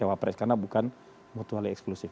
cawapres karena bukan mutualnya eksklusif